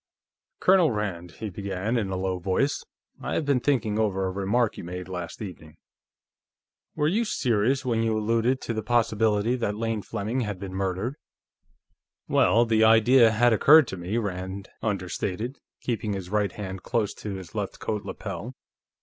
"Colonel Rand," he began, in a low voice, "I have been thinking over a remark you made, last evening. Were you serious when you alluded to the possibility that Lane Fleming had been murdered?" "Well, the idea had occurred to me," Rand understated, keeping his right hand close to his left coat lapel.